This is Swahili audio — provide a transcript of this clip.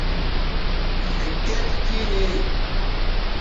keti chini